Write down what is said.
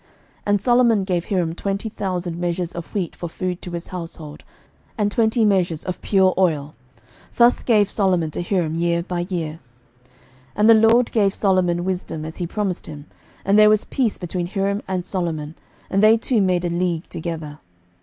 11:005:011 And Solomon gave Hiram twenty thousand measures of wheat for food to his household, and twenty measures of pure oil: thus gave Solomon to Hiram year by year. 11:005:012 And the LORD gave Solomon wisdom, as he promised him: and there was peace between Hiram and Solomon; and they two made a league together.